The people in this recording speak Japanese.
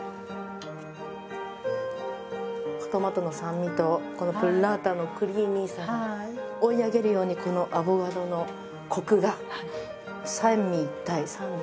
トマトの酸味とこのブッラータのクリーミーさが追い上げるようにこのアボカドのコクが三位一体三位